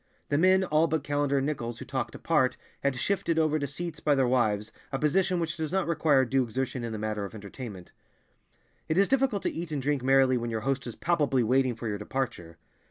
The men, all but Callender and Nichols, who talked apart, had shifted over to seats by their wives, a position which does not require due exertion in the matter of entertainment. It is difficult to eat and drink merrily when your host is palpably waiting for your departure.